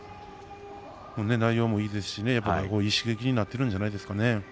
内容もいいですしいい刺激になっているんじゃないですかね。